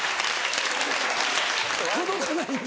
届かないんだ。